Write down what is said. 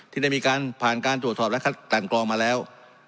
ที่ได้มีการผ่านการโจทย์ทรอบและตัดต่างกรองมาแล้ว